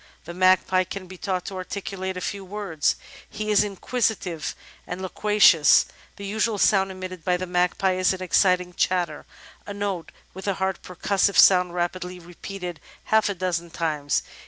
The Magpie can be taught to articulate a few words; he is inquisitive and loquacious. "The usual sound emitted by the magpie is an excited chatter — ^a note with a hard percussive sound rapidly repeated half a dozen times.